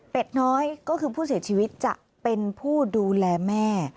น้อยก็คือผู้เสียชีวิตจะเป็นผู้ดูแลแม่